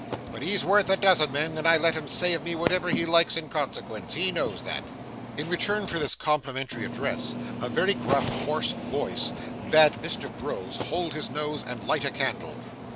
But he's worth a dozen men, and I let him say of me whatever he likes in consequence he knows that.' In return for this complimentary address, a very gruff hoarse voice bade Mr Groves 'hold his noise and light a candle.